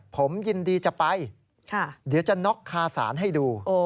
ผมยินดีจะไปเดี๋ยวจะน็อกคาสารให้ดู